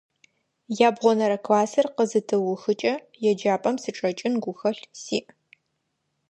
Ябгъонэрэ классыр къызытыухыкӀэ еджапӀэм сычӀэкӀын гухэлъ сиӀ.